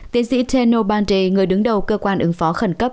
tiến sĩ tenno pandey người đứng đầu cơ quan ứng phó khẩn cấp